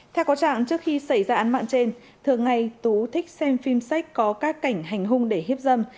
theo có trạng trước khi xảy ra án mạng trên thường ngày tú thích xem phim sách có các cảnh hành hung để hiếp dâm